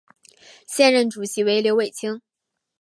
现任主席为刘伟清。